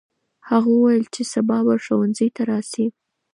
هغه وویل چې سبا به ښوونځي ته راسې.